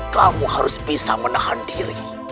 kamu harus bisa menahan diri